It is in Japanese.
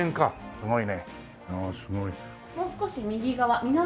すごい。